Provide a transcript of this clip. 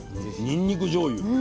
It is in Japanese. にんにくじょうゆ。